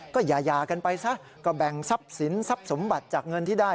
ก็อย่ากันไปซะก็แบ่งทรัพย์สินทรัพย์สมบัติจากเงินที่ได้